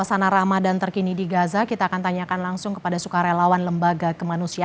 selamat pagi waktu gaza mbak mercy